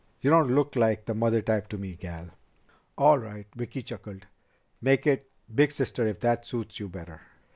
"You don't look like the mother type to me, gal." "All right." Vicki chuckled. "Make it big sister if that suits you better."